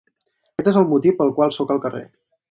Aquest és el motiu pel qual sóc al carrer.